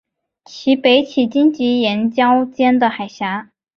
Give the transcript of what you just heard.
其北起荆棘岩礁间的海峡。